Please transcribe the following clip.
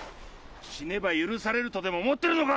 死ねば許されるとでも思ってるのか！